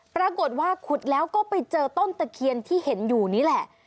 ปรากฏว่าขุดแล้วก็ไปเจอต้นตะเคียนที่เห็นอยู่นี่แหละ